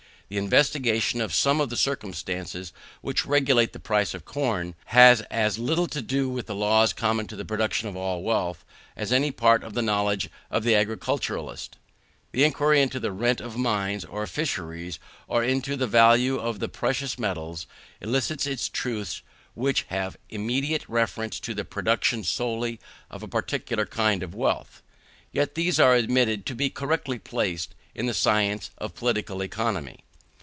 The investigation of some of the circumstances which regulate the price of corn, has as little to do with the laws common to the production of all wealth, as any part of the knowledge of the agriculturist. The inquiry into the rent of mines or fisheries, or into the value of the precious metals, elicits truths which have immediate reference to the production solely of a peculiar kind of wealth; yet these are admitted to be correctly placed in the science of Political Economy.